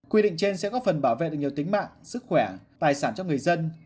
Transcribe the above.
quy định trên sẽ góp phần bảo vệ được nhiều tính mạng sức khỏe tài sản cho người dân